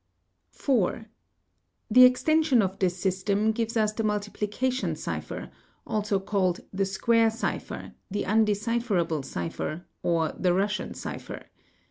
4. The extension of this system gives us the multiplication cipher, _ also called the square cipher, the undecipherable cipher, or the Russian cipher.